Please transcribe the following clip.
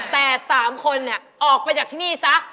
แต่๓คนออกไปจากที่นี่ซัก